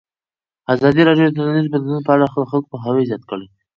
ازادي راډیو د ټولنیز بدلون په اړه د خلکو پوهاوی زیات کړی.